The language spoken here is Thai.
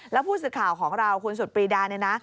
แล้วผู้สื่อข่าวของเราคุณสุดปรีดาเนี่ยนะ